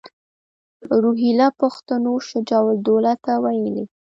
روهیله پښتنو شجاع الدوله ته ویلي.